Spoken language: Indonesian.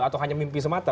atau hanya mimpi semata